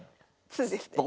通ですね。